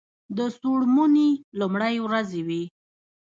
د څوړموني لومړی ورځې وې.